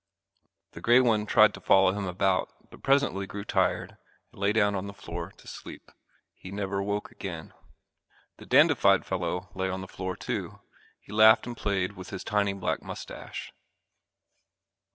The grey one tried to follow him about but presently grew tired and lay down on the floor to sleep. He never awoke again. The dandified fellow lay on the floor too. He laughed and played with his tiny black mustache.